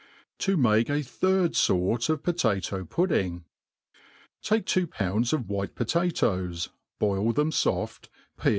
To mah a third Sort of Poiatoi'Pud£ng. TAKE two pounds of white potatpes, boil thei^ foft, peel